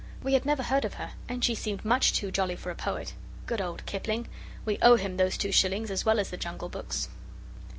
We had never heard of her, and she seemed much too jolly for a poet. Good old Kipling! We owe him those two shillings, as well as the Jungle books!